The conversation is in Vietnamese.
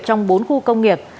trong bốn khu công nghiệp